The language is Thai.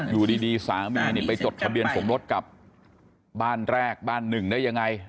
อยู่ดีสามีนี่ไปจดทะเบียนสมรสกับบ้านแรกบ้านหนึ่งได้ยังไง